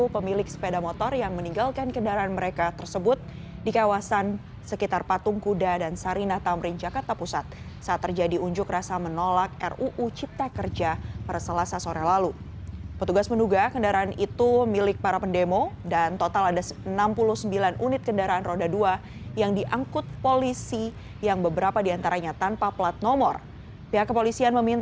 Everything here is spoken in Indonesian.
pemilik sepeda motor yang ditinggalkan oleh polisi